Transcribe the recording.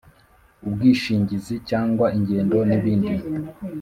ubwishingizi cyangwa ingendo n’ibindi.